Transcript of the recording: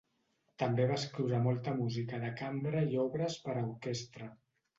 També va escriure molta música de cambra i obres per a orquestra.